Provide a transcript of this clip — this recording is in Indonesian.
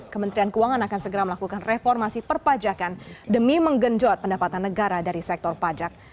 kementerian keuangan akan segera melakukan reformasi perpajakan demi menggenjot pendapatan negara dari sektor pajak